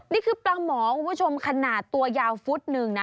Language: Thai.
นี่คือปลาหมอคุณผู้ชมขนาดตัวยาวฟุตหนึ่งนะ